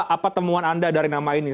apa temuan anda dari nama ini